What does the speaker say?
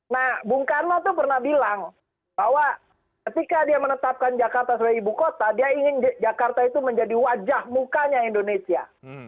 nah bung karno itu pernah bilang bahwa ketika dia menetapkan jakarta sebagai ibu kota dia ingin jakarta itu menjadi wajah mukanya indonesia